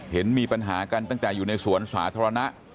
เห็นมีปัญหากันตั้งแต่อยู่ในสวนสาธารณะ